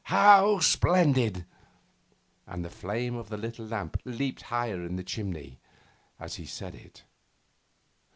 How splendid!' And the flame of the little lamp leaped higher in the chimney as he said it.